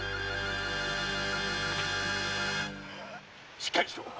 しっかりしろ！